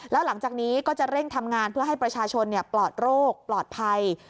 แล้วหลังจากนี้ก็จะเร่งทำงานเพื่อให้ประชาชนปลอดโรคปลอดภัย